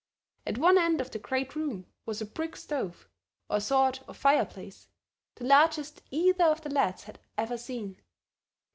At one end of the great room was a brick stove or sort of fireplace, the largest either of the lads had ever seen.